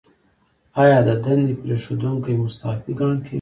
ایا د دندې پریښودونکی مستعفي ګڼل کیږي؟